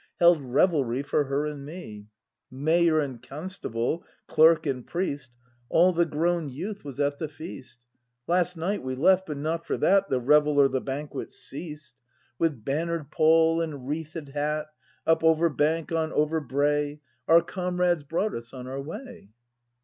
Held revelry for her and me; Mayor and constable, clerk and priest, — All the grown youth was at the feast. Last night we left, but not for that The revel or the banquet ceased; With banner'd pole and wreathed hat. Up over bank, on over brae. Our comrades brought us on our way.